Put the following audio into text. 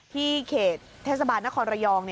เขตเทศบาลนครระยอง